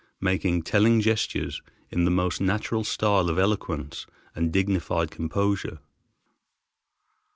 making telling gestures in the most natural style of eloquence and dignified composure.